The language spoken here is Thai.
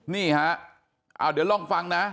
นี่ฮะเดี๋ยวลองฟังนะ